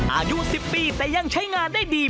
อายุสี่ปียังใช้งานได้ดี